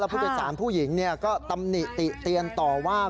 และพุทธศาสตร์ผู้หญิงก็ตำหนิติเตียนต่อว่า